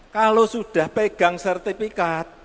kalau sudah pegang sertifikat